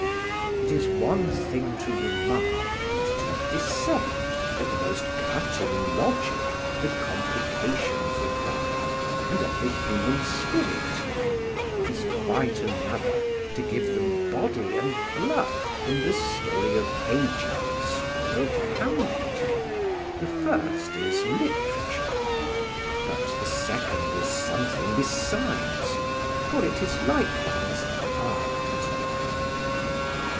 It is one thing to remark and to dissect, with the most cutting logic, the complications of life, and of the human spirit; it is quite another to give them body and blood in the story of Ajax or of Hamlet. The first is literature, but the second is something besides, for it is likewise art.